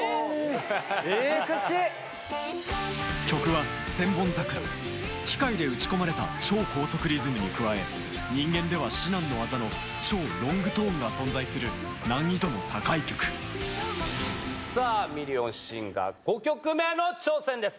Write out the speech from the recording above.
・難しい・曲は機械で打ち込まれた超高速リズムに加え人間では至難の業の超ロングトーンが存在する難易度の高い曲さぁ『ミリオンシンガー』５曲目の挑戦です。